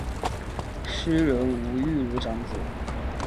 诗人吴玉如长子。